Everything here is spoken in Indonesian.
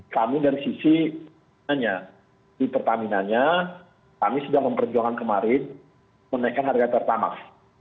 kami dari sisi pamina nya kami sedang memperjuangkan kemarin menaikkan harga pertamax